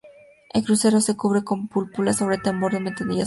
El crucero se cubre con cúpula sobre tambor con ventanillas pareadas.